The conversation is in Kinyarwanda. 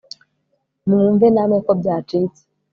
Mwumve namwe ko byacitse